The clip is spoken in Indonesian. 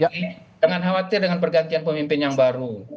jangan khawatir dengan pergantian pemimpin yang baru